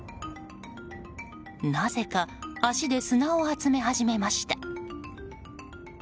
なぜか足で砂を集め始めました。